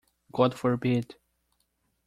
God forbid!